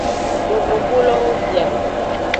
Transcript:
Yovogbulowo bia.